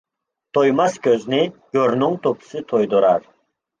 تويماس كۆزنى گۆرنىڭ توپىسى تويدۇرار.